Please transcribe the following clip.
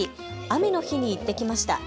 雨の日に行ってきました。